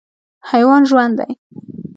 حیوان ژوند دی.